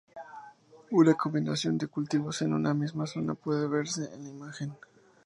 Una combinación de cultivos en una misma zona puede verse en la imagen.